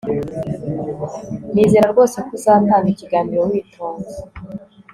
Nizera rwose ko uzatanga ikiganiro witonze